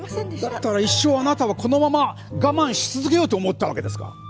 だったら一生あなたはこのまま我慢し続けようと思ったわけですか？